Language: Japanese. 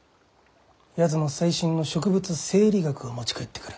やつも最新の植物生理学を持ち帰ってくる。